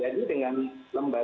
jadi tidak bisa melihat data